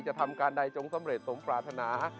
ทำการใดจงสำเร็จสมปรารถนา